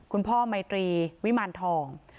คุณพ่อไมตรีวิมารทอง